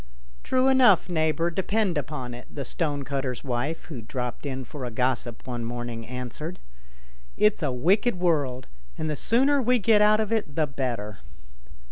"True enough, neighbour, depend upon it," the stonecutter's wife, who dropped in for a gossip one morning, answered ;" it's a wicked world, and the sooner we get out of it the better."